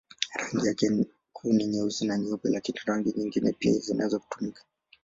Rangi yake kuu ni nyeusi na nyeupe, lakini rangi nyingine pia zinaweza kutumika.